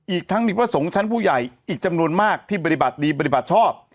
อีกทั้งมีพระสงฆ์ชั้นผู้ใหญ่อีกจำนวนมากที่ปฏิบัติดีปฏิบัติชอบ